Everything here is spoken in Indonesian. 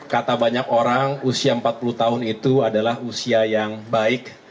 kata banyak orang usia empat puluh tahun itu adalah usia yang baik